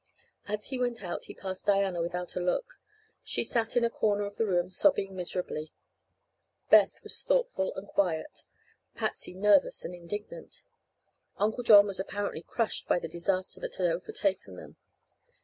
As he went out he passed Diana without a look. She sat in a corner of the room sobbing miserably. Beth was thoughtful and quiet, Patsy nervous and indignant. Uncle John was apparently crushed by the disaster that had overtaken them.